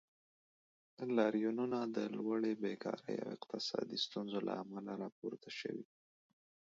لاریونونه د لوړې بیکارۍ او اقتصادي ستونزو له امله راپورته شوي.